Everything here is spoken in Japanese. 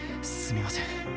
すみません。